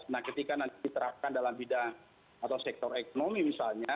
nah ketika nanti diterapkan dalam bidang atau sektor ekonomi misalnya